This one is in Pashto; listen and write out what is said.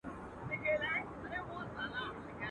په هر کور کي د طوطي کیسه توده وه.